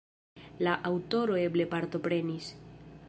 La aŭtoro eble partoprenis.